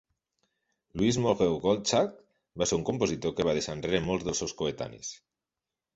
Louis Moreau Gottschalk va ser un compositor que va deixar enrere a molts dels seus coetanis.